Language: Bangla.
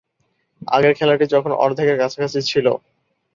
আগের খেলাটি যখন অর্ধেকের কাছাকাছি ছিল।